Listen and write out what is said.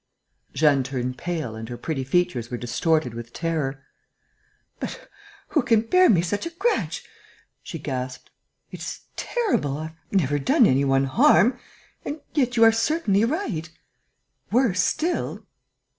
Jeanne turned pale and her pretty features were distorted with terror: "But who can bear me such a grudge?" she gasped. "It is terrible.... I have never done any one harm.... And yet you are certainly right.... Worse still...."